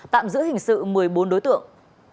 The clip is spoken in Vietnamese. tạm giữ hình sự một mươi bốn đối tượng